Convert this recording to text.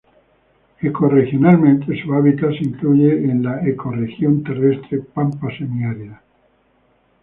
Ecorregionalmente su hábitat se incluye en la ecorregión terrestre pampas semiáridas.